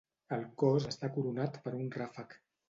El cos està coronat per un ràfec.